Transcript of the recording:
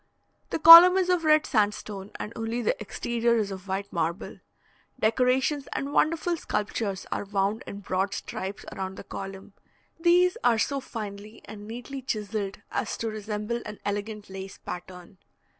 The column is of red sandstone, and only the exterior is of white marble; decorations and wonderful sculptures are wound in broad stripes around the column; these are so finely and neatly chiselled as to resemble an elegant lace pattern.